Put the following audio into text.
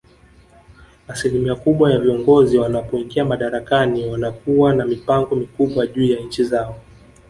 Asilimia kubwa ya viongozi wanapoingia madarakani wanakuwa na mipango mikubwa juu ya nchi zao